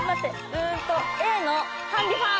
うんとＡのハンディファン。